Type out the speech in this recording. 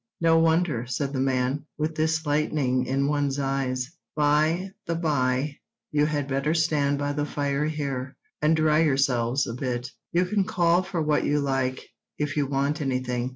"No wonder," said the man, "with this lightning in one's eyes. By the bye you had better stand by the fire here, and dry yourselves a bit. You can call for what you like if you want anything.